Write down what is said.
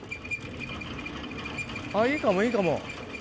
あっいいかもいいかも。